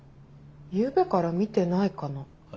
ゆうべから見てないかな？